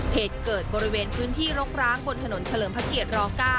เหตุเกิดบริเวณพื้นที่รกร้างบนถนนเฉลิมพระเกียร๙